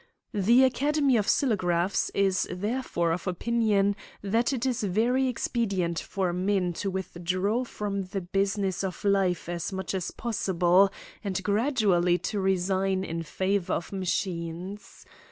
. The Academy of Sinographs is therefore of opinion that it is very expedient for men to withdraw from the business of life as much as possible, and gradually to resign in favour of machines.